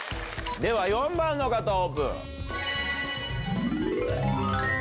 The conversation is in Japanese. では４番の方オープン。